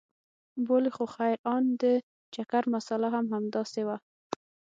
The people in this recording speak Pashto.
بولې خو خير ان د چکر مساله هم همداسې وه.